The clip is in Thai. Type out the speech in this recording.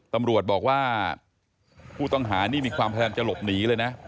ตำรวจบอกว่าผู้ต้องหานี่มีความพยายามจะหลบหนีเลยนะ